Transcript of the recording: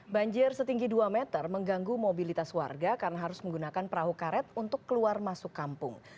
banjir setinggi dua meter mengganggu mobilitas warga karena harus menggunakan perahu karet untuk keluar masuk kampung